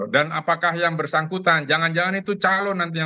dan apakah yang bersangkutan jangan jangan itu calon nanti